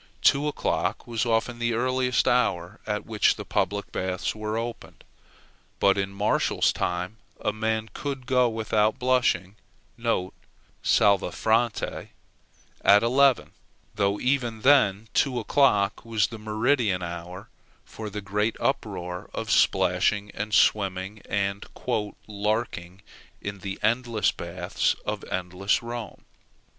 Two o'clock was often the earliest hour at which the public baths were opened. But in Martial's time a man could go without blushing (salvâ fronte) at eleven, though even then two o'clock was the meridian hour for the great uproar of splashing, and swimming, and "larking" in the endless baths of endless Rome.